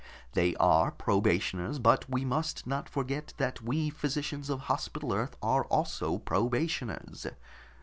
They are probationers, but we must not forget that we physicians of Hospital Earth are also probationers.